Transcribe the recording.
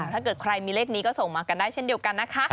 ถ้าเกิดใครมีเลขนี้ก็ส่งมากันได้เช่นเดียวกันนะคะ